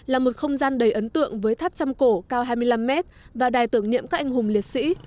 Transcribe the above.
là một không gian đầy ấn tượng với tháp chăm cổ cao hai mươi năm mét và đài tưởng niệm các anh hùng liệt sĩ